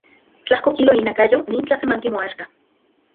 Tlajko kilo inakayo nin tlasemanki moaxka.